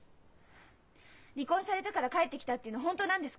「離婚されたから帰ってきた」っていうの本当なんですか？